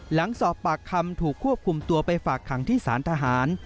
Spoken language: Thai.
หลังสอบปากคำถูกควบคุมตัวไปฝากขังที่สารทหาร